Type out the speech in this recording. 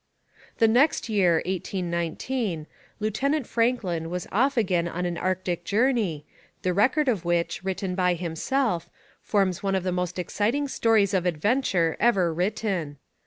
The next year (1819) Lieutenant Franklin was off again on an Arctic journey, the record of which, written by himself, forms one of the most exciting stories of adventure ever written.